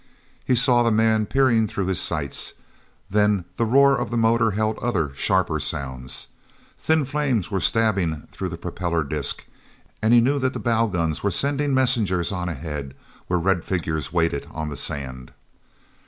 He saw the man peering through his sights, then the roar of the motor held other, sharper sounds. Thin flames were stabbing through the propeller disk, and he knew that the bow guns were sending messengers on ahead where red figures waited on the sand.